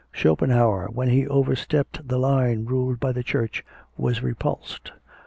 Schopenhauer, when he overstepped the line ruled by the Church, was repulsed.